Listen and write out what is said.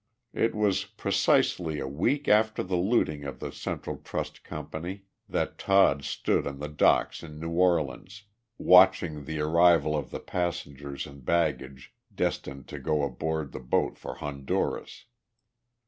It was precisely a week after the looting of the Central Trust Company that Todd stood on the docks in New Orleans, watching the arrival of the passengers and baggage destined to go aboard the boat for Honduras.